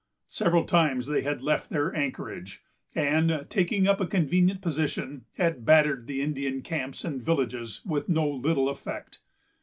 Several times they had left their anchorage, and, taking up a convenient position, had battered the Indian camps and villages with no little effect.